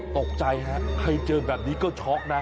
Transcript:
ตกใจฮะใครเจอแบบนี้ก็ช็อกนะ